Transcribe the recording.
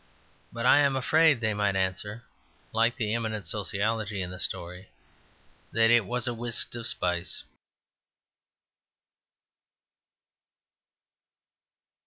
But I am afraid they might answer, like the eminent sociologist in the story, that it was "wiste of spice."